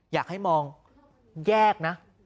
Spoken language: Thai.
อยากให้มองแยกนะ